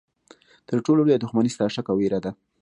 تر ټولو لویه دښمني ستا شک او ویره ده.